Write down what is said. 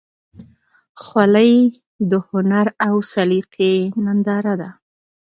خولۍ د هنر او سلیقې ننداره ده.